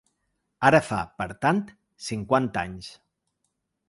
Ara fa, per tant, cinquanta anys.